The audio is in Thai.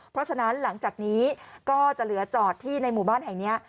เพราะฉะนั้นหลังจากนี้ก็จะเหลือจอดที่ในหมู่บ้านแห่งนี้